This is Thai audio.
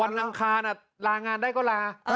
วันหลังคาล่ะลางานได้ก็ลา